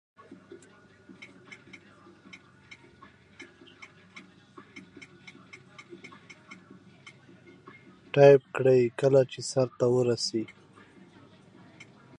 یاقوت د افغانستان د ولایاتو په کچه توپیر لري.